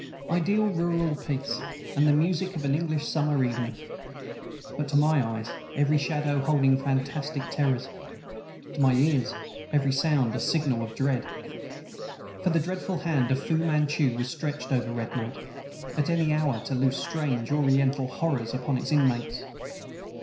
Ideal rural peace, and the music of an English summer evening; but to my eyes, every shadow holding fantastic terrors; to my ears, every sound a signal of dread. For the deathful hand of Fu Manchu was stretched over Redmoat, at any hour to loose strange, Oriental horrors upon its inmates.